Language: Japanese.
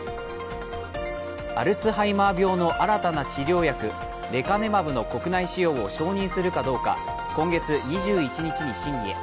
アルツハイマー病の新たな治療薬レカネマブの国内使用を承認するかどうか今月２１日に審議へ。